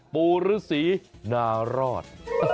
ปู่ฤษีนารอด